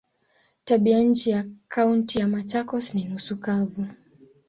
Tabianchi ya Kaunti ya Machakos ni nusu kavu.